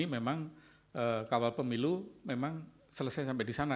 memang kawal pemilu memang selesai sampai di sana